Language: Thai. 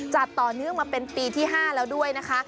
จัดต่อเนื่องมาเป็นปีที่๕แล้วด้วยนะคะ